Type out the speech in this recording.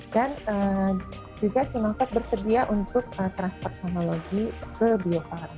dan juga sinopharm bersedia untuk transfer teknologi ke biopharm